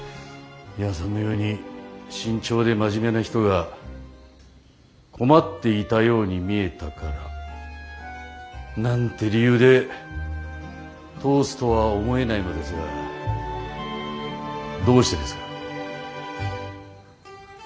ミワさんのように慎重で真面目な人が困っていたように見えたからなんて理由で通すとは思えないのですがどうしてですか？